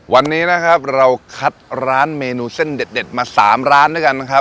วันนี้นะครับเราคัดร้านเมนูเส้นเด็ดมา๓ร้านด้วยกันนะครับ